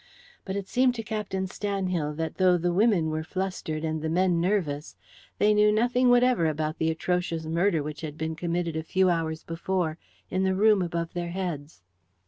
But it seemed to Captain Stanhill that though the women were flustered and the men nervous, they knew nothing whatever about the atrocious murder which had been committed a few hours before in the room above their heads.